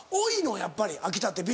やっぱり秋田って美人。